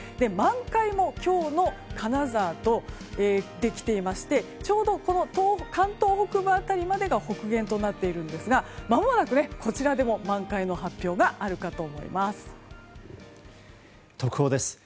満開も今日の金沢と来ていましてちょうど関東、北部辺りまでが北限となっているんですがまもなく、こちらでも満開の発表があるかと思います。